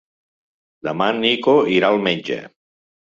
Demà en Nico irà al metge.